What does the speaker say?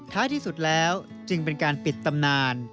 ที่สุดแล้วจึงเป็นการปิดตำนาน